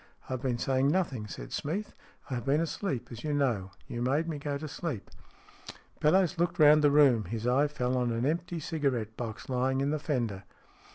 "I've been saying nothing," said Smeath. "I have been asleep, as you know. You made me go to sleep." Bellowes looked round the room. His eye fell on an empty cigarette box, lying in the fender.